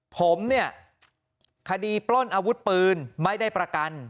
ผมเนี่ยคดีปล้นอาวุธปืนไม่ได้ประกัน